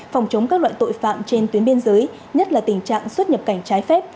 phòng chống các loại tội phạm trên tuyến biên giới nhất là tình trạng xuất nhập cảnh trái phép